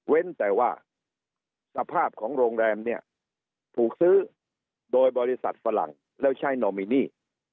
แต่ว่าสภาพของโรงแรมเนี่ยถูกซื้อโดยบริษัทฝรั่งแล้วใช้นอมินี